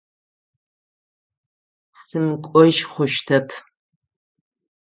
Сымыкӏожь хъущтэп.